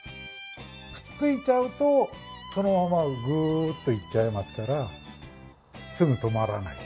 くっついちゃうとそのままグーッといっちゃいますからすぐ止まらない。